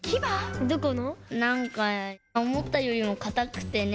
なんか思ったよりも固くてね